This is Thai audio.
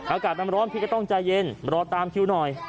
อากาศมันร้อนพี่ก็ต้องใจเย็นรอตามคิวหน่อย